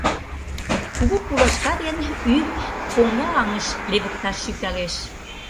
Кугу пулашка дене ӱйым коҥга аҥыш левыкташ шӱкалеш.